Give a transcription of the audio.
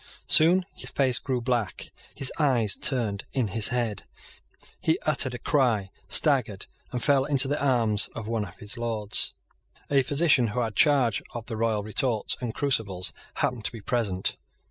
Soon his face grew black; his eyes turned in his head; he uttered a cry, staggered, and fell into the arms of one of his lords. A physician who had charge of the royal retorts and crucibles happened to be present.